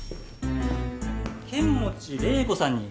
・剣持麗子さんに。